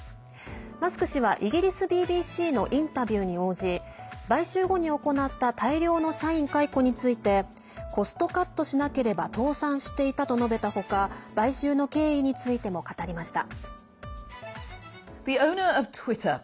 マスク氏は、イギリスＢＢＣのインタビューに応じ買収後に行った大量の社員解雇についてコストカットしなければ倒産していたと述べた他買収の経緯についても語りました。